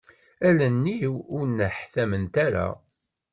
Allen-iw ur nneḥtament ara.